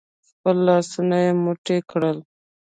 خپل لاسونه يې موټي کړل.